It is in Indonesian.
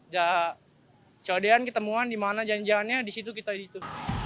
ya codean ketemuan dimana janjiannya disitu kita itu